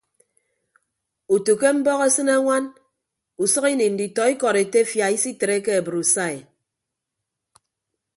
Utu ke mbọk esịne añwan usʌk ini nditọ ikọd etefia isitreke abrusai.